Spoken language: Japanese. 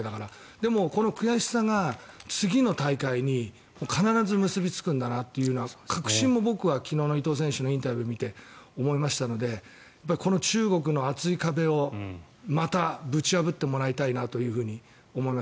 でもこの悔しさが次の大会に必ず結びつくんだなという確信も僕は昨日の伊藤選手のインタビューを見て思いましたのでこの中国の厚い壁をまたぶち破ってもらいたいと思います。